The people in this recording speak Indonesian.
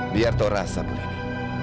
biar tora sabur ini